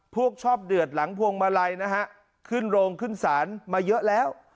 ชอบเดือดหลังพวงมาลัยนะฮะขึ้นโรงขึ้นศาลมาเยอะแล้ว